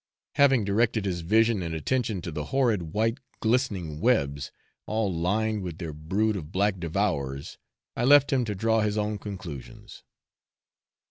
Having directed his vision and attention to the horrid white glistening webs, all lined with their brood of black devourers, I left him to draw his own conclusions.